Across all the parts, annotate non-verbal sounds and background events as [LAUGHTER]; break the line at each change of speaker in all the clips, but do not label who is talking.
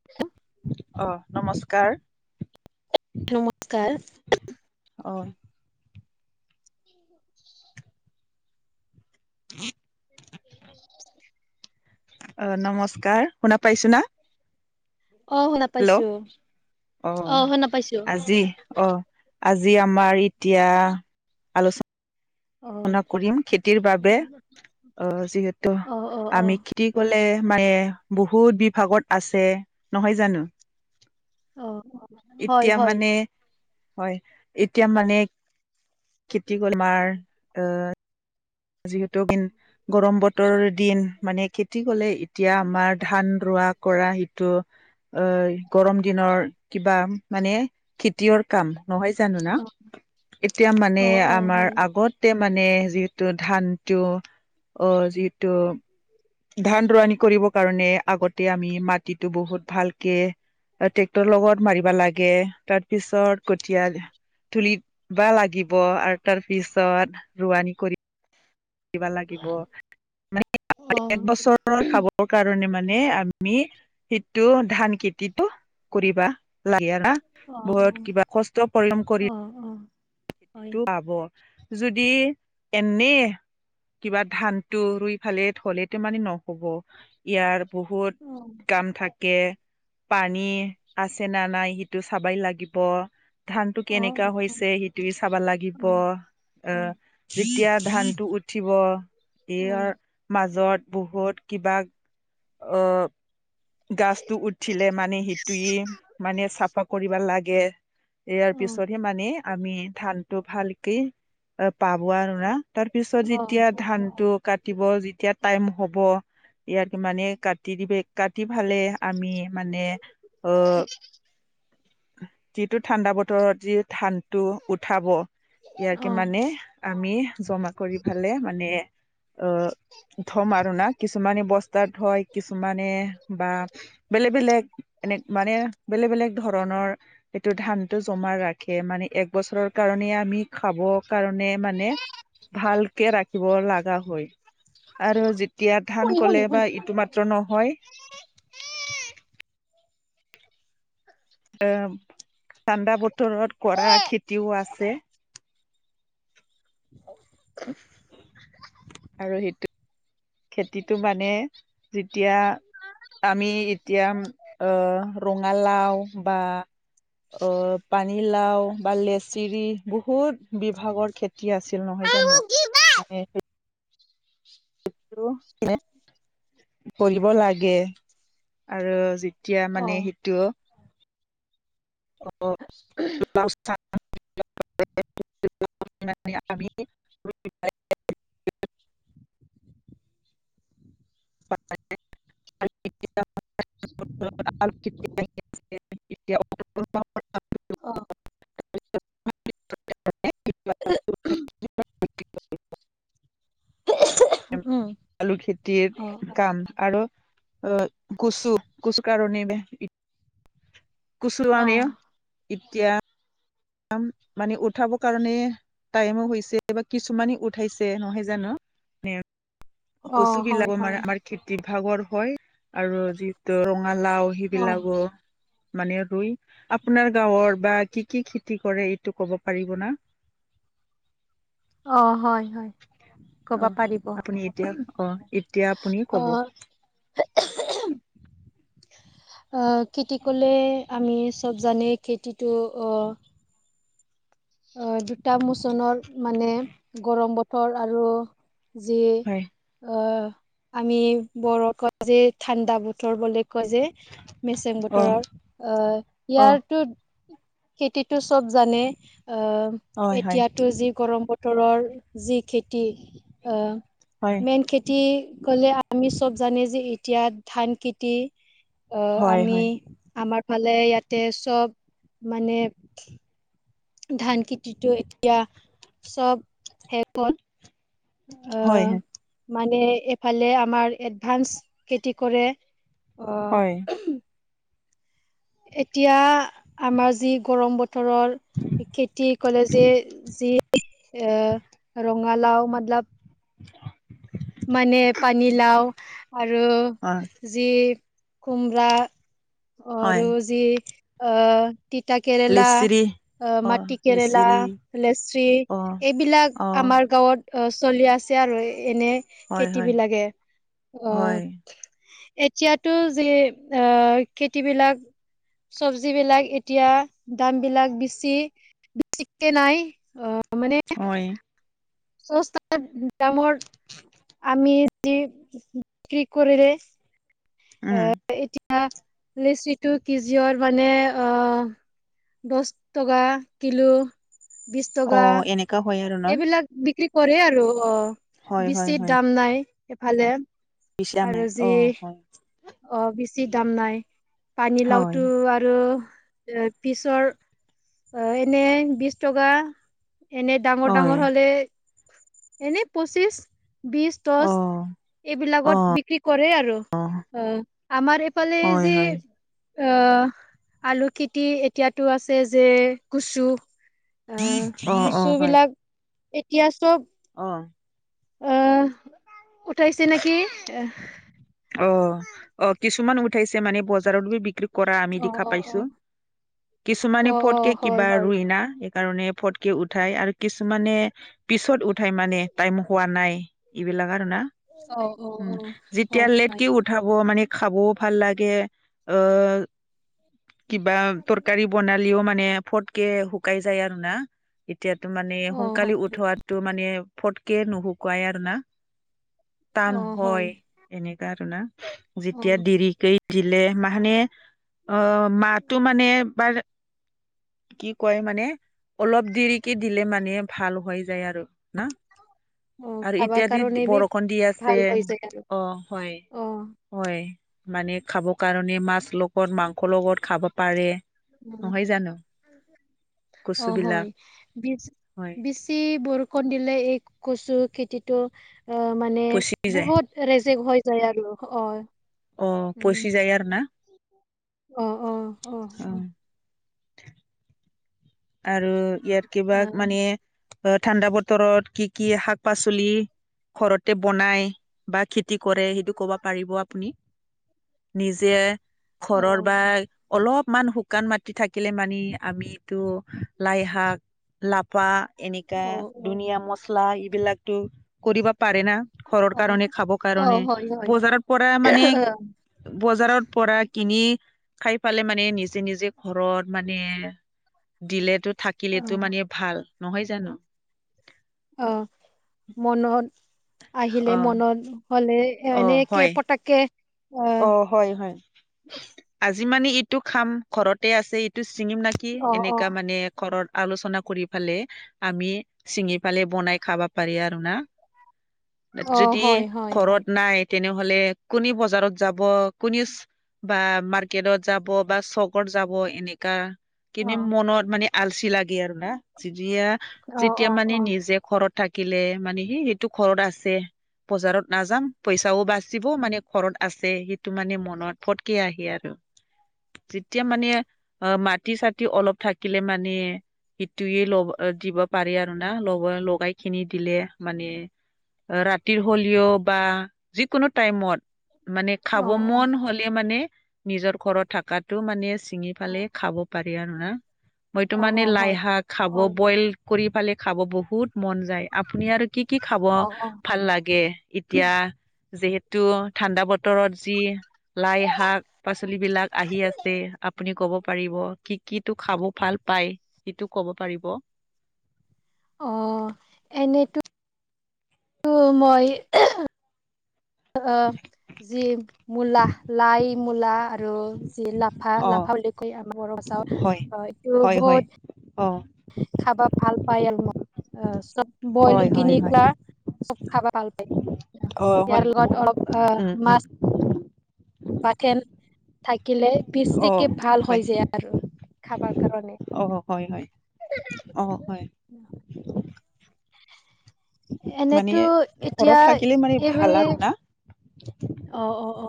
[INAUDIBLE]
অ', নমস্কাৰ
নমস্কাৰ
অ'।
[INAUDIBLE]
[INAUDIBLE]
[INAUDIBLE]
অ', নমস্কাৰ শুনা পাইছ না?
অ শুনা
হেল্ল',
পাইছো
অ',
শুনা পাইছো
আজি অ'। আজি আমাৰ এতিয়া আলোচনা
অ
না কৰিম খেতিৰ বাবে অ', যিহেতু
অ অ অ
আমি খেতি ক'লে মানে বহুত বিভাগত আছে নহয় জানো?
অ হয়
এতিয়া
হয়
মানে হয় এতিয়া মানে খেতি কৰি মাৰ অ'। যিহেতু দিন গৰম বতৰ দিন মানে খেতি কলে এতিয়া আমাৰ ধান ৰোৱা কৰা সিটো। অ', গৰম দিনৰ কিবা মানে ৰ কাম নহয় জানো না এতিয়া মানে
অ অ
আমাৰ
হয়
আগতে মানে যি টো ধান টো অ যিটো ধান ৰোৱানি কৰিব কাৰণে আগতে আমি মাটিটো বহুত ভালকে ট্ৰেক্টৰৰ লগত মাৰিবা লাগে তাৰ পিছত কঠায়া তুলিবা লাগিব আৰু তাৰ পিছত ৰোৱানী কৰি লছ
অ
[UNINTELLIGIBLE] ৰ খাবৰ কাৰণে মানে আমি সেইটো ধান খেতিটো কৰিবা লাগে না বহুত কিবা
অ
কষ্ট পৰিয়ম কৰি
অ হয়
খেতিটো পাব যদি এনেই কিবা ধান টো ৰুই ফালে থ'লেতো মানে ন হ'ব, ইয়াৰ বহুত
অ
কাম থাকে। কে পানী আছে ন নাই সিটো চাবাই লাগিব। ধানটো
অ হয়
কেনেকা হৈছে সেইটোৱে চাব
অ অ
লাগিব
অ অ অ শুনি শুনি
আহ যেতিয়া ধানটো উঠিব
শুনি
এইাৰ মাজত বহুত কিবা অ', গছতটো উঠিলে মানে সিটোৱে মানে চাফা কৰিব লাগে। ইয়াৰ
অ
পিছতহে মানে আমি ধানটো ভালকে এ পাব আৰু তাৰ পিছত
অ
যেতিয়া ধানটোক কাটিব যেতিয়া টাইম হ'ব, ইয়াত মানে কাটি দিবে টি ভালে আমি মানে আহ যিটো ঠাণ্ডা বতৰত যি ঠা টো উঠাব ইয়াৰকে মানে আমি জমা কৰি ফালে মানে আহ থ'ম আৰু না, কিছুমানে বস্তাত থয় কিছুমানে বা বেলেগ বেলেগ এনে মানে বেলেগ বেলেগ ধৰণৰ সেইটো ধানটো জমা ৰাখে মানে এক বছৰৰ কাৰণে আমি খাব কাৰণে মানে ভালকে ৰাখিব লগা হয়। আৰু যেতিয়া ধান কলে বা ইটো মাত্ৰ নহয় অ'। ঠাণ্ডা বতৰত কৰা খেতিও আছে।
[INAUDIBLE]
আৰু সেইটো খেতিটো মানে যেতিয়া আমি এতিয়া ৰঙালাওঁ বা অ' পানী লাওঁ বা লেচ চিৰি বহুত বিভাগৰ খেতি আছিল নহয় জানো মানে। ফলিব লাগে আৰু যি তিয়া মানে সেইটো আমি [UNINTELLIGIBLE] [INAUDIBLE] তি [UNINTELLIGIBLE]
অ'। উ [UNINTELLIGIBLE] [INAUDIBLE]
আলু খেতিৰ
অ
কাম আৰু অ কুচু কুচু কাৰণ
অ অ
[UNINTELLIGIBLE] এতিয়া মানে উঠাব কাৰণে টাইমো হৈছে বা কিছুমানে উঠাইছে নহয় জানো।
অ হয়
কচুগিলাক আমাৰ
হয়
আমাৰ খেতি ভাগৰ হয় আৰু যিহেতু ৰঙালাও
অ
সেইবিলাকো মানে ৰুই। আপোনাৰ গাঁৱৰ বা কি কি খেতি কৰে এইটো ক'ব পাৰিব ন?
অ', হয়, হয়, ক'ব
অ
পাৰিব।
আপুনি এতিয়া অ' এতিয়া আপুনি ক'ব।
অ [INAUDIBLE] খেতি কৰিলে আমি চব জানেই খেতিটো অ' দুটা মোচণত মানে গৰম বতৰ আৰু যি
হয়
অ', আমি বৰ কৈ যে ঠাণ্ডা বতৰ বুলি কয় যে। মেচং
অ
বতৰৰ অ'
অ
ইয়াৰতো খেতিতো চব জানে আহ
হয় হয়
এতিয়াতো যি গৰম বতৰৰ যি খেতি অহ
হয়।
খেতি ক'লে আমি চব জানে যে এতিয়া ধান খেতি আহ
হয়
আমি
হয়
আমাৰ ফালে ইয়াতে চব মানে ধান খেতিটো এতিয়া চব শেষ হ'ল।
হয়
আহ মানে এফালে আমাৰ এডভান্স খেতি কৰে।
হয়
অ'। এতিয়া আমাৰ যি গৰম বত ৰৰ খেতি কৰে যে যি এ ৰঙালাও মতলব
[INAUDIBLE]
মানে পানীলাও আৰু
অ
যি কুমৰা
হয়
অৰু যি অ' তিতা কেৰেলা।
লেচিৰি
অহ
অ
মাটি কেৰেলা,
লিচিৰি
লেচৰি
অ
এইবিলাক
অ
আমাৰ গাঁৱত অ', চলি আছে আৰু এনে
হয় হয়
খেতিবিলাকে অ'।
হয়
এতিয়াতো যে অ' খেতিবিলাক চবজিবিলাক এতিয়া দামবিলাক বেছি থিকে নাই। অ' মানে
হয়।
চস্তা দামৰ আমি যি বিক্ৰী কৰিৰে
উম।
এতিয়া নিশ্চিত কেজিয়ৰ মানে আহ দহ টকা কিলো বিশ টকা।
এনেকুৱা হয় আৰু। ন
এইবিলাক বিক্ৰী কৰে আৰু অ'
হয় হয়
বেছি দাম নাই এইফালে।
বেছি দাম নাই
আৰু যি
অ' হয়।
অ', বেছি দাম নাই।
হয়
পানীলাওতো আৰু এ পিছৰ অ', এনে বিশ টকা, এনে ডাঙৰ
হয়
ডাঙৰ হ'লে এনে পঁচিছ, বিশ, দহ।
অ অ
এইবিলাকত বিক্ৰী কৰে আৰু,
অ
অ', আমাৰ এইফালে
হয়
যে
হয়
অ', আলু খেতি এতিয়াতো আছে যে, কুচু। অ',
অ
কুচু
হয়
বিলাক এতিয়া চ'ব
অ'।
উম, উঠাইছে নেকি।
অ', অ', কিছুমান উঠাইছে মানে বজাৰত বিক্ৰীৰ কৰা আমি
অ
দেখা
অ অ
পাইছোঁ। কিছুমানে
অ অ
ফতকে
হয়
কিবা
হয়
ৰুই না কাৰণে ফটকে উঠাই আৰু কিছুমানে পিছত উঠাই মানে টাইম হোৱা নাই। এইবিলাক আৰু না
অ অ অ
উম, যেতিয়া
হয়
লেত উঠাব মানে খাবও ভাল লাগে অ'। কিবা তৰকাৰী বনালেও মানে ফটকে শুকাই যায় আৰু না। এতিয়াতো মানে
অ হয়
সোনকালে উঠোৱাটো মানে ফটকে নুসুকো ৱাই আৰু না, টান হয়, এনেকা আৰু না
অ
যেতিয়া দিন [UNINTELLIGIBLE] দিলে মানে অ', মাহতো মানে এবাৰ কি কয় মানে অলপ দেৰি কে দিলে মানে ভাল হৈ যায় আৰু না।
অ
আৰু
খাবাৰ
এতিয়া দি
কাৰণে বি
বৰষুণ দি আছে
ভাল হৈ যায় আৰু
অ', হয়।
অ
হয়, মানে খাব কাৰণে মাছ লগত মাংসৰ লগত খাব পাৰে।
অ
নহয় জানোঁ?
অ', হয়
হয়
বেছি বৰ ষুণ দিলে এই কচু খেতিটো মানে
পচি যায়
বহুত ৰেজেক হৈ যায় আৰু অ'।
অ',
উম
পচি যায় আৰু না।
অ', অ'।
অ'। আৰু ইয়াত কিবা
অ
মানে, ঠাণ্ডা বতৰত কি কি শাক পাচলিৰ ঘৰতে বনাই বা খেতি কৰে সেইটো, ক'ব পাৰিব আপুনি। নিজে
অ অ
ঘৰৰ বা অলপমান শুকান মাটি থাকিলে মানি আমিতো লাইশাক লাফা এনেকুৱা
অ
ধুনীয়া মছলা লা এইবিলাকতো কৰিব পাৰে না। ঘৰৰ
অ
কাৰণে খাব
অ
কাৰণে
হয় হয়
বজাৰত পৰা মানে বজাৰত পৰা কিনি খাই পালে মানে নিজে নিজে ঘৰত মানে দিলেতো
অ
থাকিলেতটো মানে ভাল নহয়, জানো?
অ', মনত
অ
আহিলে মনত হ'লে
অ
এনেকে
হয়
পটকে
অ', হয়, হয়, আজি মানে ইটো খাম ঘৰতে আছে ইটো ছিঙিম না কি
অ অ
এনেকা মানে কৰৰত আলোচনা কৰি ফালে। আমি চিঙি ফালে বনাই খাবা পাৰি আৰু না?
অ
যদি
হয় হয় হয়
ঘৰত নাই তেনেহ'লে কোনে বজাৰত যাব কোনে বা মাৰ্কেটত যাব বা চকত যাব এনেকা।
অ
কিন্তু মনত মানে আলচি লাগে আৰু না, যেতিয়া
অ
যেতিয়া,
অ
মানে
অ
নিজে ঘৰত থাকিলে মানে সি সেইটো ঘৰত আছে, বজাৰত নাযাম পইচাও বাচিব
উম
মানে ঘৰত আছে সেইটো মানে মনত ফটকে আহি আৰু। যেতিয়া মানে অ', মাটি চাটি অলপ থাকিলে মানে সেইটোয়ে লব দিব পাৰি আৰু না ল লগাই খিনি দিলে মানে ৰাতিৰ হলিঅ' বা যিকোনো টাইমত মানে
অ অ
খাব মন হলে মানে নিজৰ ঘৰত থকাটো মানে
অ
চিঙিালে খাব পাৰি আৰু না, মইতো
অ
মানে
অ
লাই
হয়
শাক খাব
হয়
বইল কৰি পালে খাব বহুত মন যায়, আপুনি আৰু কি কি খাব
অ অ
ভাল লাগে? এতিয়া যিহেতু ঠাণ্ডা বতৰত যি লাই শাক পাচলি বিলাক আহি আছে আপুনি কব পাৰিব কি কি ত' খাব ভাল পায়। সেইটো ক'ব পাৰিব।
অঁ, এনেতো ত মই যি মূলা লাই মূলা আৰু যি লা লাফা
অ
লাফা উল্লেখ কৰি আমাৰ বৰ
হয়
ভাচাও এইটো
হয় হয়
বহুত
অ।
খাবা ভাল পাইল মোক অ চব বইল
হয়
কিনি
হয় হয়
চব খাবা ভাল পায়
অ',
ইয়াৰ
হয়।
লগত অলপ অ
উম, উম,
মাছ বাথেন থাকিলে পিছথিকে ভাল হয় যা আৰু খাবাৰ কাৰণে।
অ, হয়, হয়, অ, হয়।
[INAUDIBLE]
মানে
এনেতো
ঘৰত
এতিয়া
থাকিলে মানে
এইব
ভাল আৰু না?
অ, অ, অ।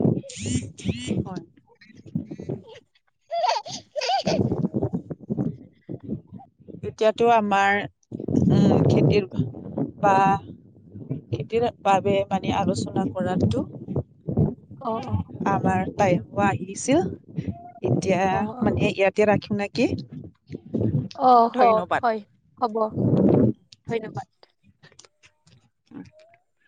[INAUDIBLE]
[INAUDIBLE]
এতিয়াতো আমাৰ উম খেতিৰ বা এতিৰ বাবে মানে আলোচনা কৰাটো।
অ, অ।
আমাৰ তাই আহিছিল, এতিয়া
অ অ
মানে ইয়াত এতিয়া ৰাখিম নেকি।
অ, হ
ধন্যবাদ।
হয়, হব ধন্যবাদ।
[INAUDIBLE]